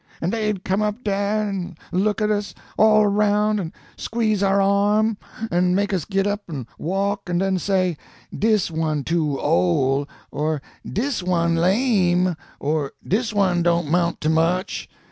An' dey'd come up dah an' look at us all roun', an' squeeze our arm, an' make us git up an' walk, an' den say, Dis one too ole,' or 'Dis one lame,' or 'Dis one don't 'mount to much.'